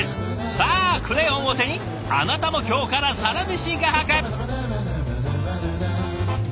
さあクレヨンを手にあなたも今日からサラメシ画伯。